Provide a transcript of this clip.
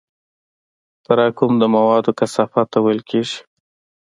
تراکم د موادو کثافت ته ویل کېږي.